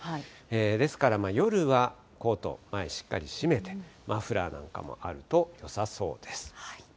ですから夜はコート、前しっかり閉めて、マフラーなんかもあるとよさそうです。